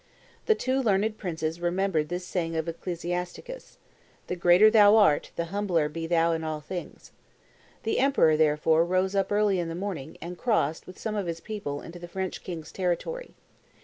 The two learned princes remembered this saying of Eclesiasticus: 'The greater thou art, the humbler be thou in all things.' The emperor, therefore, rose up early in the morning, and crossed, with some of his people, into the French king's territory.